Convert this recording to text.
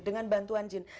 dengan bantuan jin